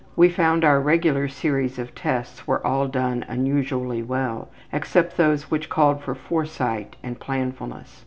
We found our regular series of tests were all done unusually well, except those which called for foresight and planfulness.